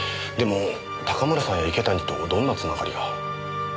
でも高村さんや池谷とどんなつながりが？